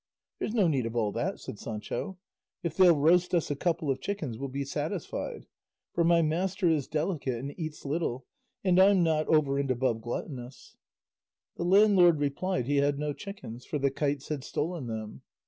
"There's no need of all that," said Sancho; "if they'll roast us a couple of chickens we'll be satisfied, for my master is delicate and eats little, and I'm not over and above gluttonous." The landlord replied he had no chickens, for the kites had stolen them.